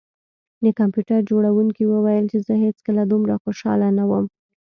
د کمپیوټر جوړونکي وویل چې زه هیڅکله دومره خوشحاله نه وم